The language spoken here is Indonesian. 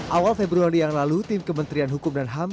awal februari yang lalu tim kementerian hukum dan ham